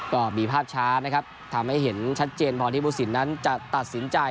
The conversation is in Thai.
ก็มีภาพช้านะครับทำให้เห็นชัดเจนพอที่ผู้สินนั้นจะตัดสินใจ